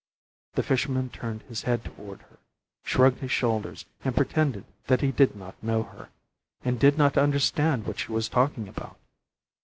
The fisherman turned his head toward her, shrugged his shoulders, and pretended that he did not know her, and did not understand what she was talking about.